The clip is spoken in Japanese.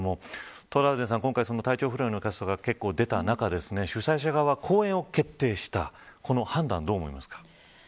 トラウデンさん、今回体調不良のキャストが出た中主催者側が公演を決定したこの判断どう思いますか。